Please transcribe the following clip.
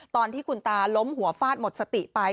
ตอนที่คุณตาล้มหัวฟาดหมดสติไป